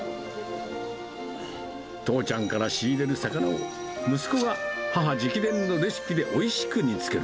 父ちゃんから仕入れる魚を息子が母直伝のレシピでおいしく煮つける。